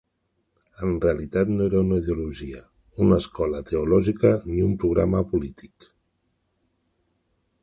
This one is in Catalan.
En realitat no era una ideologia, una escola teològica ni un programa a polític.